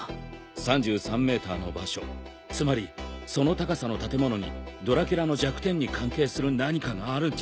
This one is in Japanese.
３３ｍｅｔｅｒの場所つまりその高さの建物にドラキュラの弱点に関係する何かがあるんじゃ。